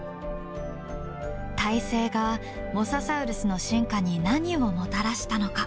胎生がモササウルスの進化に何をもたらしたのか。